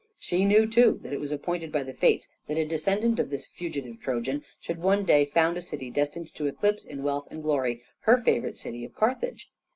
She knew too that it was appointed by the Fates that a descendant of this fugitive Trojan should one day found a city destined to eclipse in wealth and glory her favorite city of Carthage.